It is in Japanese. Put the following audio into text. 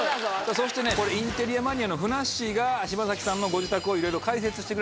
そしてインテリアマニアのふなっしーが柴咲さんのご自宅をいろいろ解説してくれると。